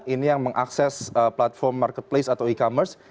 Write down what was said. ini yang mengakses platform marketplace atau e commerce